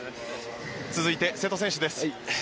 続いて瀬戸選手です。